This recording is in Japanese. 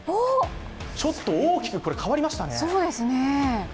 ちょっと大きく変わりましたね。